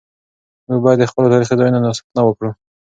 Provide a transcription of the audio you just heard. موږ باید د خپلو تاریخي ځایونو ساتنه وکړو.